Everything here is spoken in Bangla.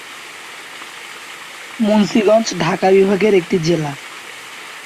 মুন্সিগঞ্জ ঢাকা বিভাগের একটি জেলা।